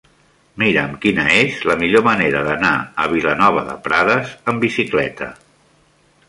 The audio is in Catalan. Mira'm quina és la millor manera d'anar a Vilanova de Prades amb bicicleta.